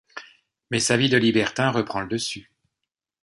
Mais sa vie de libertin reprend le dessus.